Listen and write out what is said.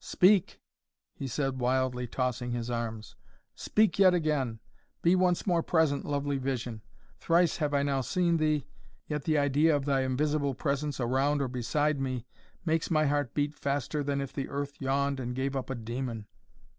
"Speak!" he said, wildly tossing his arms, "speak yet again be once more present, lovely vision! thrice have I now seen thee, yet the idea of thy invisible presence around or beside me, makes my heart beat faster than if the earth yawned and gave up a demon."